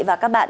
và các bạn